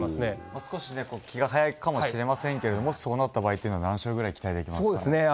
少し気が早いかもしれませんがそうなった場合何勝ぐらい期待できますか？